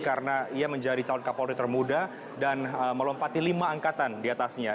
karena ia menjadi calon kapolri termuda dan melompati lima angkatan diatasnya